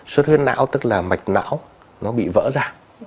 xuất huyết não tức là mạch não nó bị vỡ ra